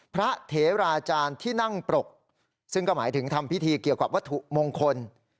เถราจารย์ที่นั่งปรกซึ่งก็หมายถึงทำพิธีเกี่ยวกับวัตถุมงคล